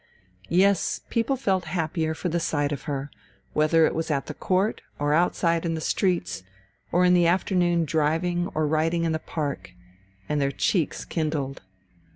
Yes, people felt happier for the sight of her, whether it was at the Court or outside in the streets, or in the afternoon driving or riding in the park and their cheeks kindled.